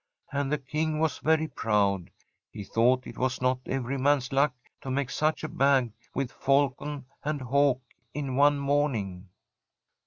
And the King was very proud; he thought it was not every man's luck to make such a bag with falcon and hawk in one morning.